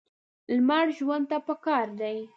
لمر ژوند ته پکار دی.